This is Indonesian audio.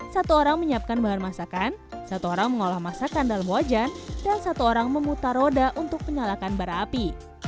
satu orang menyiapkan bahan masakan satu orang mengolah masakan dalam wajan dan satu orang memutar roda untuk menyalakan bara api